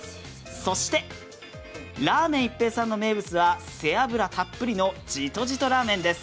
そしてラーメン一平さんの名物は背脂たっぷりのじとじとラーメンです。